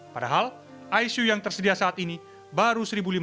padahal icu yang tersedia saat ini baru satu lima ratus